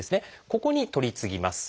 ここに取り次ぎます。